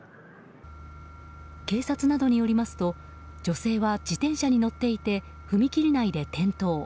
警察などによりますと女性は自転車に乗っていて踏切内で転倒。